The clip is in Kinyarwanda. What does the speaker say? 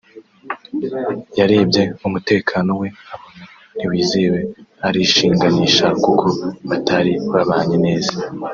yarebye umutekano we abona ntiwizewe arishinganisha kuko batari babanye neza